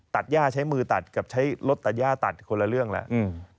ย่าใช้มือตัดกับใช้รถตัดย่าตัดคนละเรื่องแล้ว